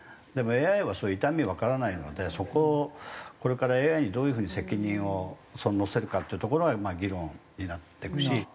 でもＡＩはそういう痛みがわからないのでそこをこれからＡＩにどういう風に責任を乗せるかっていうところが議論になっていくし。